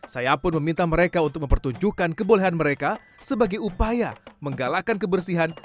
saya pun meminta mereka untuk mempertunjukkan kebolehan mereka sebagai upaya menggalakkan kebersihan